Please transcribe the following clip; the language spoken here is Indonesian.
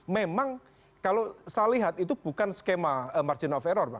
memang kalau saya lihat itu bukan skema margin of error